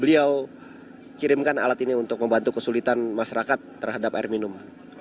beliau kirimkan alat ini untuk membantu kesulitan masyarakat terhadap air minum